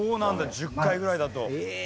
１０回ぐらいだと。